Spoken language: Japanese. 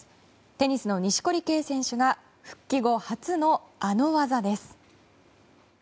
テニスの錦織圭選手が復帰後初のあの技です。